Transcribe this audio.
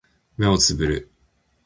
目をつぶる